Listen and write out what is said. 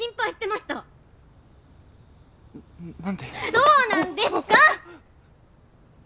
どうなんですか！？